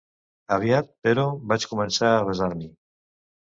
Aviat, però, vaig començar a avesar-m'hi.